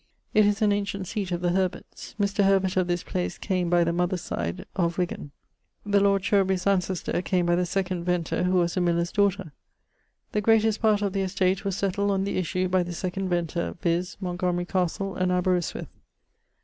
It is an ancient seate of the Herberts. Mr. Herbert, of this place, came, by the mother's side, of Ŵgan. The lord Cherbery's ancestor came by the second venter, who was a miller's daughter. The greatest part of the estate was settled on the issue by the 2d venter, viz. Montgomery castle, and Aberystwith.